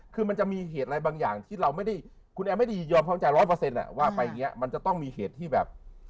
คือมันจะมีเหตุอะไรบางอย่างที่เราไม่ได้คุณแอนไม่ได้ยอมพร้อมใจร้อยเปอร์เซ็นต์ว่าไปอย่างนี้มันจะต้องมีเหตุที่แบบ